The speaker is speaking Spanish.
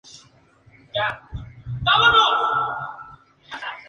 Trabaja en Prevención de Riesgos Laborales en la ciudad de Cádiz.